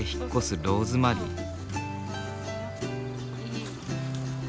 ローズマリーが。